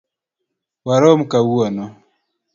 Warom kawuono.